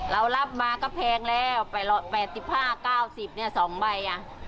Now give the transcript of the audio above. เรารับมาก็แพงแล้ว๘๕๙๐บาทสองใบ